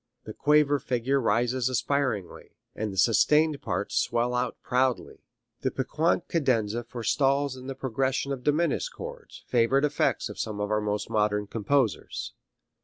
The quaver figure rises aspiringly, and the sustained parts swell out proudly. The piquant cadenza forestalls in the progression of diminished chords favorite effects of some of our more modern composers.